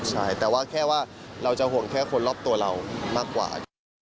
ใช่แต่ว่าแค่ว่าเราจะห่วงแค่คนรอบตัวเรามากกว่า